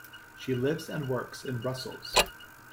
She lives and works in Brussels.